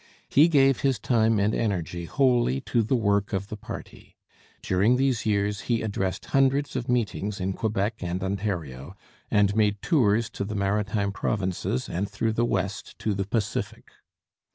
He gave his time and energy wholly to the work of the party. During these years he addressed hundreds of meetings in Quebec and Ontario, and made tours to the maritime provinces and through the West to the Pacific.